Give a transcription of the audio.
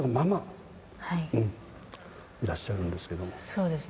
そうですね。